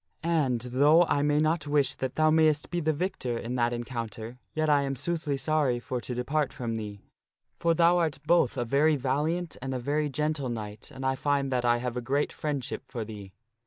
And, though I may not wish that thou mayst be the victor in that encoun ter, yet am I soothly sorry for to depart from thee. For thou art both a very valiant and a very gentle knight, and I find that I have a great friend ship for thee."